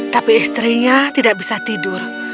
tapi istrinya tidak bisa tidur